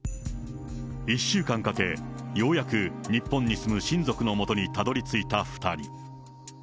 １週間かけ、ようやく日本に住む親族のもとにたどりついた２人。